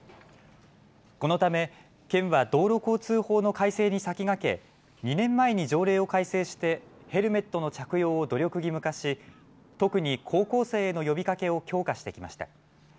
このため県は道路交通法の改正に先駆け、２年前に条例を改正してヘルメットの着用を努力義務化し特に高校生への呼びかけを強化してきました。